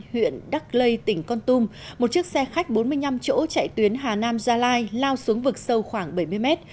huyện đắc lây tỉnh con tum một chiếc xe khách bốn mươi năm chỗ chạy tuyến hà nam gia lai lao xuống vực sâu khoảng bảy mươi mét